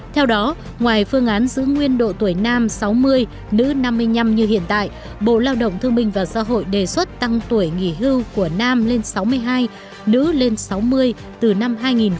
theo đó ngoài phương án giữ nguyên độ tuổi nam sáu mươi nữ năm mươi năm như hiện tại bộ lao động thương minh và xã hội đề xuất tăng tuổi nghỉ hưu của nam lên sáu mươi hai nữ lên sáu mươi từ năm hai nghìn một mươi